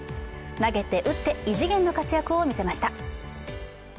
投げて、打って異次元の活躍を見せました。